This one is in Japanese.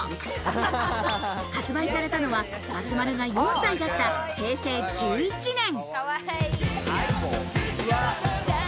発売されたのは、松丸が４歳だった平成１１年。